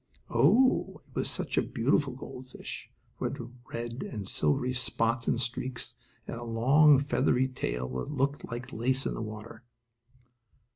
Oh, it was such a beautiful gold fish, with red and silvery spots and streaks, and a long, feathery tail that looked like lace in the water.